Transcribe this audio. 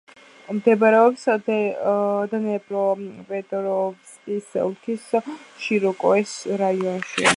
მდებარეობს დნეპროპეტროვსკის ოლქის შიროკოეს რაიონში.